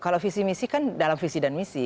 kalau visi misi kan dalam visi dan misi